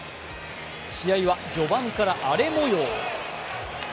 試合は序盤から荒れ模様。